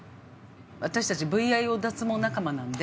私たちＶＩＯ脱毛仲間なんで。